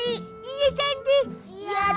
iya tante iya ditanggung sama bang jepri